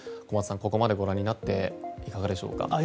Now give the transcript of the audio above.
小松さん、ここまでご覧になっていかがでしょうか。